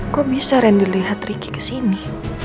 kok bisa ren dilihat riki kesini